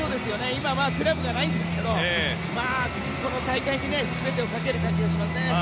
今、所属クラブがないんですがこの大会に全てをかける感じがしますね。